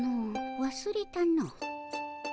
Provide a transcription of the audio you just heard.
わすれたの。